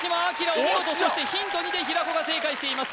お見事そしてヒント２で平子が正解しています